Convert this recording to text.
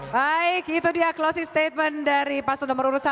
baik itu dia closing statement dari paslon nomor urut satu